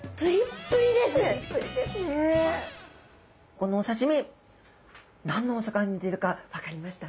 このお刺身何のお魚に似てるか分かりました？